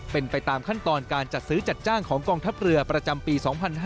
เป็นไปตามขั้นตอนการจัดซื้อจัดจ้างของกองทัพเรือประจำปี๒๕๕๙